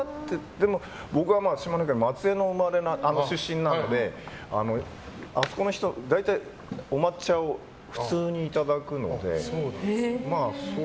でも僕は島根県松江の出身なのであそこの人、大体お抹茶を普通にいただくので。